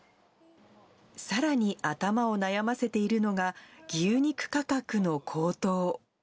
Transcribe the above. さらに頭を悩ませているのが、牛肉価格の高騰。